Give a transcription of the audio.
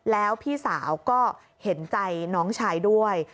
แล้วพี่สาวก็เห็นใจน้องชายด้วย